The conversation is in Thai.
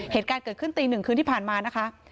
เหตุการณ์เกิดขึ้นตีหนึ่งคืนที่ผ่านมานะคะ